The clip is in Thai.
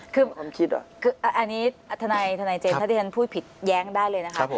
คืออันนี้ทนายเจมสถ้าที่ฉันพูดผิดแย้งได้เลยนะคะ